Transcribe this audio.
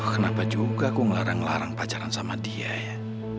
kenapa juga aku ngelarang ngelarang pacaran sama dia ya